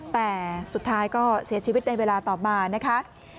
แต่สุดท้ายก็เสียชีวิตในเวลาต่อมานะคะ